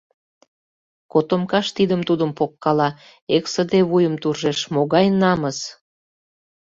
Котомкаш тидым-тудым погкала, эксыде вуйым туржеш: «Могай намыс!